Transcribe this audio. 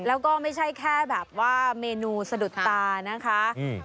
แล้วก็ไม่ใช่แค่แบบว่าเมนูสะดุดตานะคะอืม